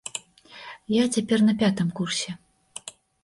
Я цяпер на пятым курсе.